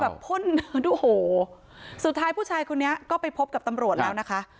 พ่นโอ้โหสุดท้ายผู้ชายคนนี้ก็ไปพบกับตำรวจแล้วนะคะ